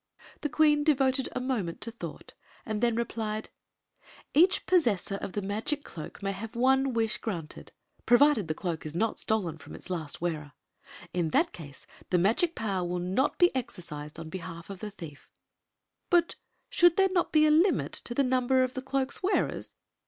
The queen devoted a moment to thou^^t, and then replied :" Each possessor of the magic cloak may have one wish granted, provided the cloak is not stolen from its last wearer. In that case the magic power will not be exercised on behalf of the thief." Story of the Magic Cloak 9 " But should there not be a limit to the number of the cloaks wearers?"